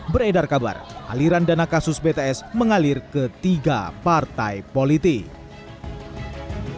beredar kabar aliran dana kasus bts mengalir ke tiga partai politik